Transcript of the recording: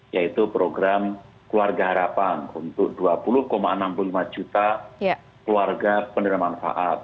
yaitu program keluarga harapan untuk dua puluh enam puluh lima juta keluarga penerima manfaat